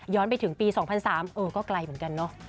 ไปถึงปี๒๐๐๓เออก็ไกลเหมือนกันเนอะ